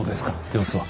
様子は。